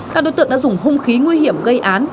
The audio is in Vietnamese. các đối tượng đã dùng hung khí nguy hiểm gây án